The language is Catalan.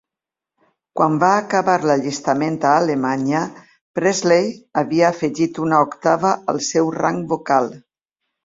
Quan va acabar l'allistament a Alemanya, Presley havia afegit una octava al seu rang vocal.